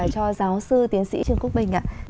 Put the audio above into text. cho giáo sư tiến sĩ trương quốc bình